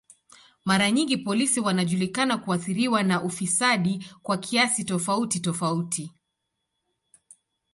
Mara nyingi polisi wanajulikana kuathiriwa na ufisadi kwa kiasi tofauti tofauti.